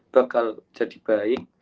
bakal jadi baik